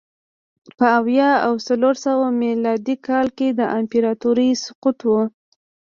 په اویا او څلور سوه میلادي کال کې د امپراتورۍ سقوط و